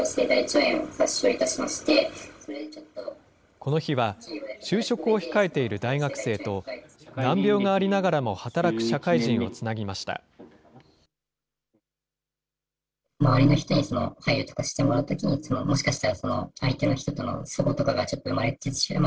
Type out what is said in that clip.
この日は、就職を控えている大学生と、難病がありながらも働く社会人をつなぎました。